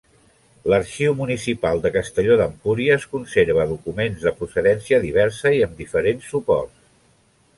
L'Arxiu Municipal de Castelló d'Empúries conserva documents de procedència diversa i amb diferents suports.